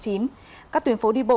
các tuyến phố đi bộ